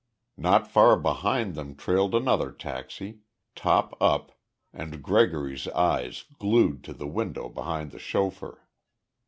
Not far behind them trailed another taxi, top up and Gregory's eyes glued to the window behind the chauffeur.